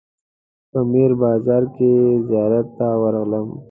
په میر بازار کې زیارت ته ورغلم.